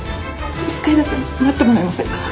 １回だけ待ってもらえませんか？